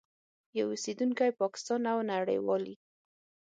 یو اوسېدونکی پاکستان او نړیوالي